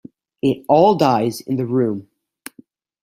It all dies in the room.